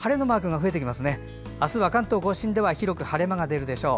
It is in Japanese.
あすは関東・甲信では広く晴れ間が出るでしょう。